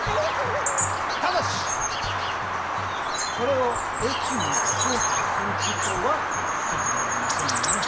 ただしこれをＡチームのレポートとすることは認められませんよ。